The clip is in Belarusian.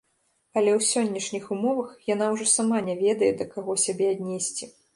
Але ў сённяшніх умовах яна ўжо сама не ведае, да каго сябе аднесці.